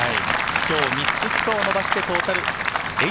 今日３つスコアを伸ばして、トータル−８。